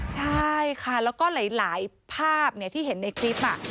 ใช่ค่ะแล้วก็หลายภาพที่เห็นในคลิป